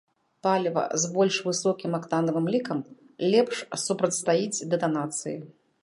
Паліва з больш высокім актанавым лікам лепш супрацьстаіць дэтанацыі.